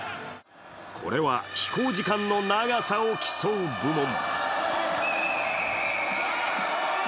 これは飛行時間の長さを競う部門。